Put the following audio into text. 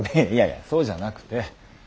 いやいやそうじゃなくて。